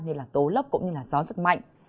như tố lốc cũng như gió giật mạnh